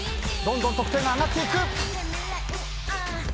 どんどん得点が上がっていく。